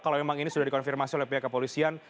kalau memang ini sudah dikonfirmasi oleh pihak kepolisian